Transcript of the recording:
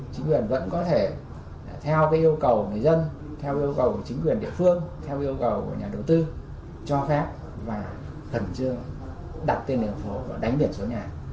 chính quyền vẫn có thể theo yêu cầu người dân yêu cầu chính quyền địa phương yêu cầu nhà đầu tư cho phép và cần chưa đặt tên đường phố và đánh biển số nhà